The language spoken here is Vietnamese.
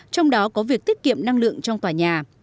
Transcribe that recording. trong đó có việc tiết kiệm năng lượng trong tòa nhà